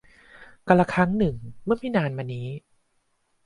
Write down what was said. กาลครั้งหนึ่ง เมื่อไม่นานมานี้